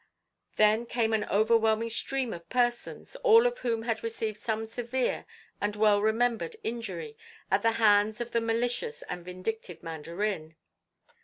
Then came an overwhelming stream of persons, all of whom had received some severe and well remembered injury at the hands of the malicious and vindictive Mandarin.